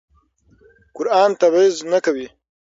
قرآن تبعیض نه کوي.